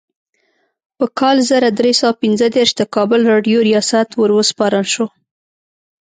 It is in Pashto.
په کال زر درې سوه پنځه دیرش د کابل راډیو ریاست وروسپارل شو.